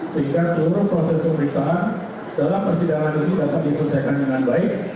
sehingga seluruh proses pemeriksaan dalam persidangan ini dapat diselesaikan dengan baik